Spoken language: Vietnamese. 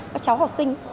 có cháu học sinh